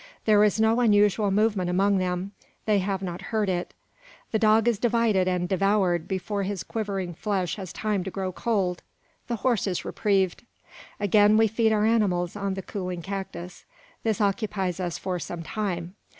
There is no unusual movement among them; they have not heard it. The dog is divided and devoured before his quivering flesh has time to grow cold! The horse is reprieved. Again we feed our animals on the cooling cactus. This occupies us for some time.